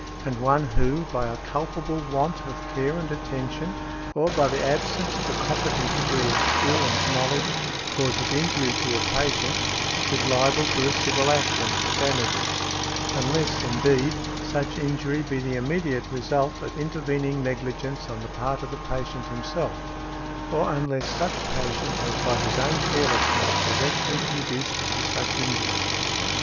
And one who, by a culpable want of care and attention, or by the absence of a competent degree of skill and knowledge, causes injury to a patient, is liable to a civil action for damages; unless, indeed, such injury be the immediate result of intervening negligence on the part of the patient himself; or unless such patient has by his own carelessness directly conduced to such injury .